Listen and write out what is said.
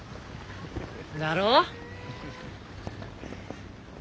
だろ？